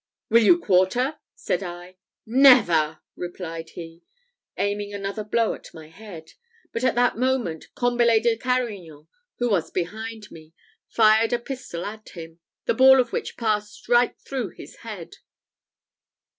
"Will you quarter?" said I. "Never!" replied he, aiming another blow at my head; but at that moment, Combalet de Carignan, who was behind me, fired a pistol at him, the ball of which passed right through his head.